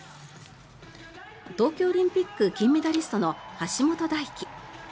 東京オリンピック金メダリストの橋本大輝。